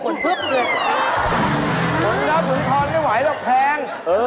มีรับหรือทอนไม่ไหวหรอกแพง